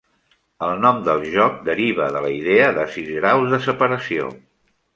El nom del joc deriva de la idea de sis graus de separació.